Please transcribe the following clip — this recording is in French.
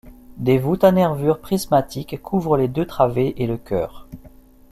Des voûtes à nervures prismatiques couvrent les deux travées et le chœur.